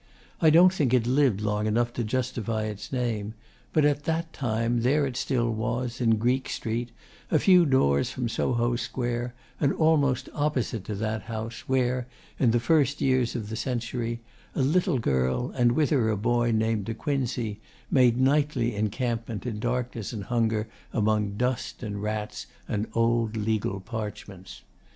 I don't think it lived long enough to justify its name; but at that time there it still was, in Greek Street, a few doors from Soho Square, and almost opposite to that house where, in the first years of the century, a little girl, and with her a boy named De Quincey, made nightly encampment in darkness and hunger among dust and rats and old legal parchments.